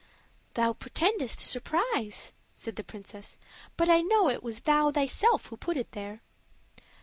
"Thou pretendest surprise," said the princess, "but I know it was thou thyself who put it there."